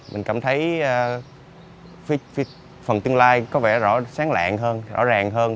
mình cảm thấy phần tương lai có vẻ rõ ràng hơn